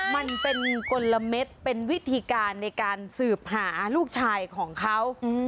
มันเป็นกลมเป็นวิธีการในการสืบหาลูกชายของเขา